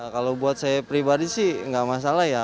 kalau buat saya pribadi sih nggak masalah ya